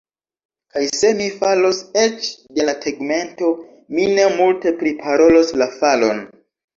Kaj se mi falos eĉ de la tegmento, mi ne multe priparolos la falon.